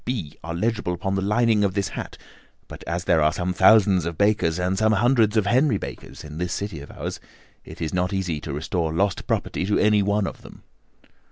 B.' are legible upon the lining of this hat, but as there are some thousands of Bakers, and some hundreds of Henry Bakers in this city of ours, it is not easy to restore lost property to any one of them."